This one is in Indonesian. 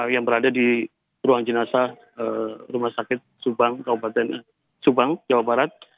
yang berada di ruang sinasa rumah sakit subang jawa barat